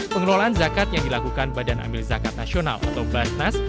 pengelolaan zakat yang dilakukan badan amil zakat nasional atau basnas